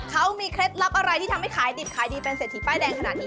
เขามีเคล็ดลับอะไรที่ทำให้ขายดิบขายดีเป็นเศรษฐีป้ายแดงขนาดนี้